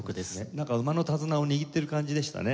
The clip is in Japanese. なんか馬の手綱を握ってる感じでしたね。